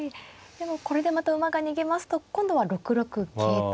でもこれでまた馬が逃げますと今度は６六桂と。